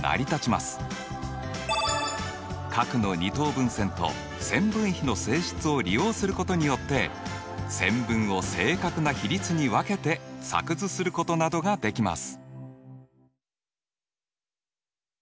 分線と線分比の性質を利用することによって線分を正確な比率に分けて作図することなどができます。